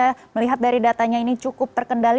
saya melihat dari datanya ini cukup terkendali